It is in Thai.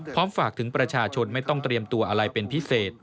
ฝากถึงประชาชนไม่ต้องเตรียมตัวอะไรเป็นพิเศษ